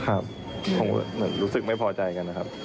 ผมก็เหมือนรู้สึกไม่พอใจกันนะครับ